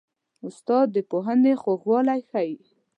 استاد د پوهنې خوږوالی ښيي.